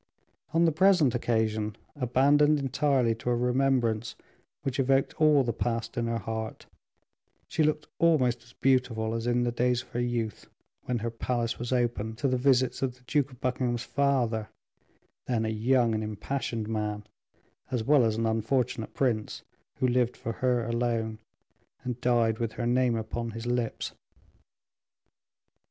On the present occasion, abandoned entirely to a remembrance which evoked all the past in her heart, she looked almost as beautiful as in the days of her youth, when her palace was open to the visits of the Duke of Buckingham's father, then a young and impassioned man, as well as an unfortunate prince, who lived for her alone, and died with her name upon his lips.